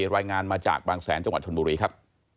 รายงานมาจากบางแสนจังหวัดชนบุรีครับ